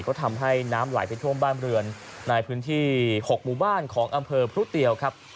ก็ทำให้น้ำไหลไปท่วมบ้านเรือนในพื้นที่๖หมู่บ้านของอำเภอพรุเตียวครับ